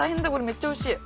めっちゃおいしい。